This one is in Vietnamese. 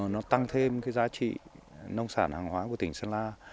nó tăng thêm cái giá trị nông sản hàng hóa của tỉnh sơn la